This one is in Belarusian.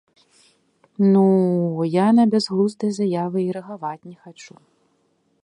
Ну-у, я на бязглуздыя заявы і рэагаваць не хачу.